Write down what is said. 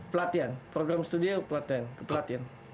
pelatihan program studi pelatihan kepelatihan